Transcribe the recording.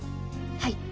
はい。